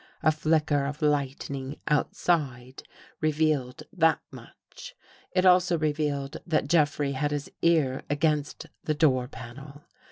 A flicker of lightning outside, revealed that much. It also revealed that Jeffrey had his ear against the door panel.